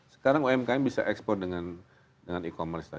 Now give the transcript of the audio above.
sekarang umkm bisa ekspor dengan e commerce tadi